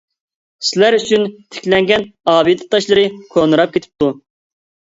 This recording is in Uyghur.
سىلەر ئۈچۈن تىكلەنگەن ئابىدە تاشلىرى كونىراپ كېتىپتۇ.